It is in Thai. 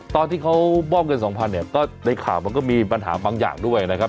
ตอนที่เขามอบเงิน๒๐๐เนี่ยก็ในข่าวมันก็มีปัญหาบางอย่างด้วยนะครับ